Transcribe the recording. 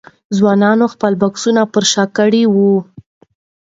ځوانانو خپل بکسونه پر شا کړي وو.